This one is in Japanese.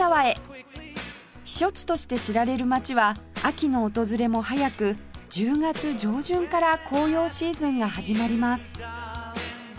避暑地として知られる町は秋の訪れも早く１０月上旬から紅葉シーズンが始まります